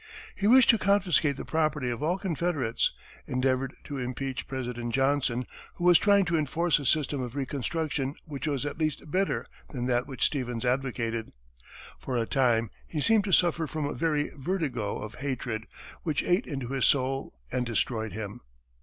He wished to confiscate the property of all Confederates; endeavored to impeach President Johnson, who was trying to enforce a system of reconstruction which was at least better than that which Stevens advocated. For a time he seemed to suffer from a very vertigo of hatred, which ate into his soul and destroyed him.